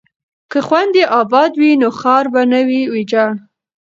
که خویندې ابادې وي نو ښار به نه وي ویجاړ.